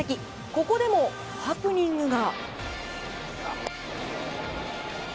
ここでもハプニングが。